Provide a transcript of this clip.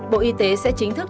bộ y tế sẽ chính thức